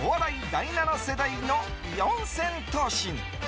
第７世代の四千頭身。